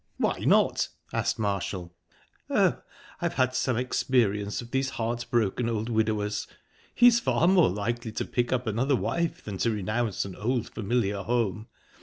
"Why not?" asked Marshall. "Oh, I've had some experience of these heart broken old widowers. He's far more likely to pick up another wife than to renounce an old, familiar home.